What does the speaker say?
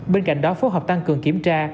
bên cạnh đó phố học tăng cường kiểm tra